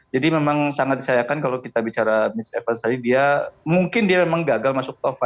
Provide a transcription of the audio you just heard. jadi memang sangat disayangkan kalau kita bicara mitch evans tadi dia mungkin dia memang gagal masuk top lima